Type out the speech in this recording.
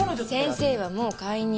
「先生はもう解任した。